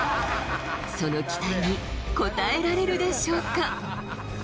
その期待に応えられるでしょうか？